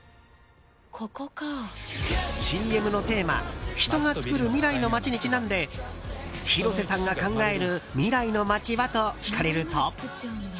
ＣＭのテーマ人がつくる未来の街にちなんで広瀬さんが考える未来の街は？と聞かれると。